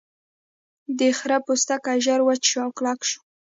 د خرۀ پوستکی ژر وچ شو او کلک شو.